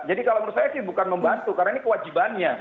jadi kalau menurut saya sih bukan membantu karena ini kewajibannya